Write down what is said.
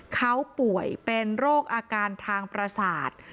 เขาป่วยเป็นโรคอาการทางประสาท